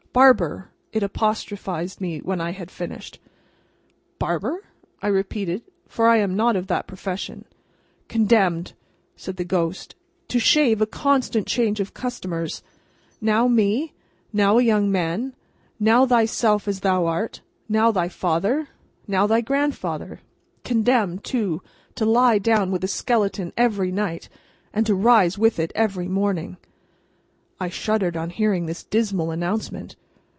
"Barber!" it apostrophised me when I had finished. "Barber?" I repeated—for I am not of that profession. "Condemned," said the ghost, "to shave a constant change of customers—now, me—now, a young man—now, thyself as thou art—now, thy father—now, thy grandfather; condemned, too, to lie down with a skeleton every night, and to rise with it every morning—" (I shuddered on hearing this dismal announcement.)